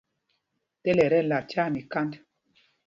Tela ɛ tí ɛlat tyaa míkānd.